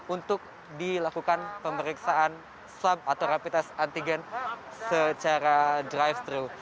untuk dilakukan pemeriksaan swab atau rapid test antigen secara drive thru